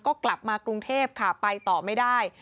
ก็กลับมากรุงเทพค่ะไปต่อไม่ได้